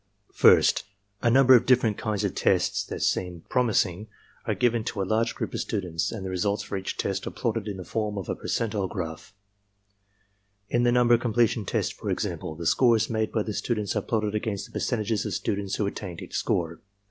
"First, a number of dififerent kinds of tests that seem promis 174 ARMY MENTAL TESTS ing are given to a large group of students, and the results for each test are plotted in the form of a percentile graph. In the number completion test, for example, the scores made by the students are plotted against the percentages of students who attained each score.